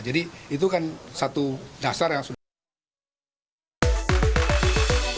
jadi itu kan satu dasar yang sudah kita lakukan